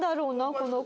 この子。